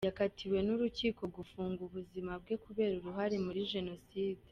Yakatiwe n’Urukiko gufungwa ubuzima bwe kubera uruhare muri Jenoside .